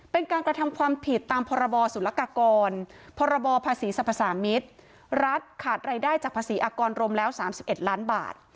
เป็นการกระทำความผิดตามพศศพศศรัฐขาดรายได้จากภาษีอากรรมแล้ว๓๑ล้านบาท